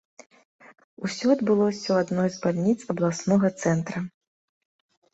Усё адбылося ў адной з бальніц абласнога цэнтра.